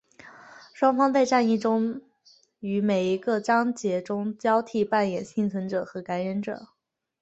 双方在战役中于每一个章节中交替扮演幸存者和感染者。